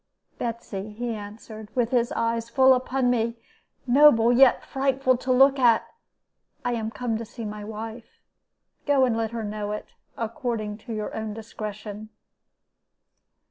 "'Betsy,' he answered, with his eyes full upon me, noble, yet frightful to look at, 'I am come to see my wife. Go and let her know it, according to your own discretion.'